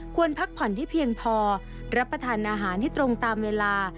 พักผ่อนให้เพียงพอรับประทานอาหารให้ตรงตามเวลา